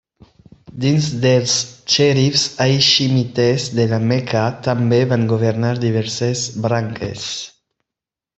Dins dels xerifs haiximites de la Meca també van governar diverses branques.